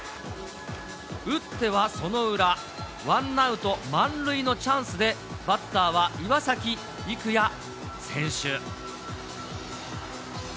打ってはその裏、ワンアウト満塁のチャンスで、バッターは岩崎生弥選手。